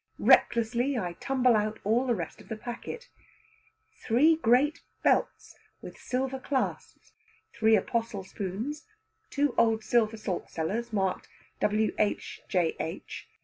Recklessly I tumble out all the rest of the packet. Three great bolts with silver clasps, three apostle spoons, two old silver salt cellars marked W.H.J.H.